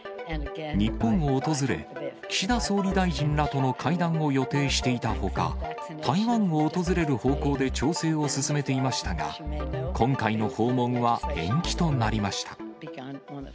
日本を訪れ、岸田総理大臣らとの会談を予定していたほか、台湾を訪れる方向で調整を進めていましたが、今回の訪問は延期となりました。